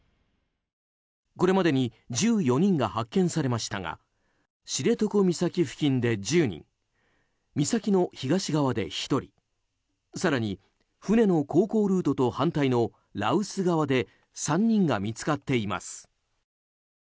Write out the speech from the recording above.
これまでに１４人が発見されましたが知床岬付近で１０人岬の東側で１人更に船の航行ルートと反対の羅臼側で３人が見つかっています。